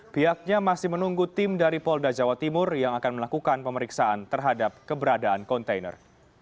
pihaknya masih menunggu tim dari polda jawa timur yang akan melakukan pemeriksaan terhadap keberadaan kontainer